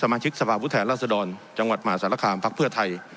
สมาชิกสภาพุทธแทนราศดรจังหวัดหมาสารคามภักดิ์เพื่อไทย